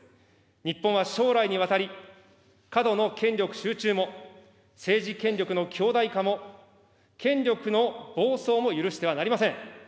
日本は将来にわたり、過度の権力集中も、政治権力の強大化も、権力の暴走も許してはなりません。